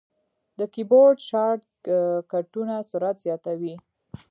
د کیبورډ شارټ کټونه سرعت زیاتوي.